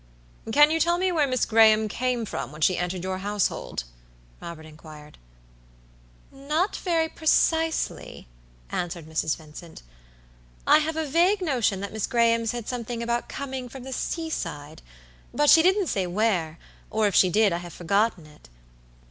"Can you tell me where Miss Graham came from when she entered your household?" Robert inquired. "Not very precisely," answered Mrs. Vincent. "I have a vague notion that Miss Graham said something about coming from the seaside, but she didn't say where, or if she did I have forgotten it.